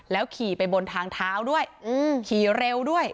ขี่ไปบนทางเท้าด้วยขี่เร็วด้วย